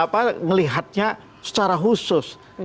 mengelihatnya secara khusus